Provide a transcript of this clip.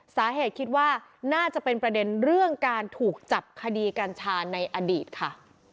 สาเหตุคิดว่าน่าจะเป็นประเด็นเรื่องการถูกจับคดีกัญชาในอดีตค่ะ